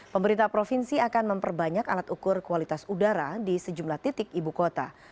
pemerintah provinsi akan memperbanyak alat ukur kualitas udara di sejumlah titik ibu kota